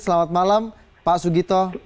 selamat malam pak sugito